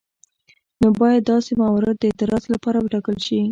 نو باید داسې موارد د اعتراض لپاره وټاکل شي.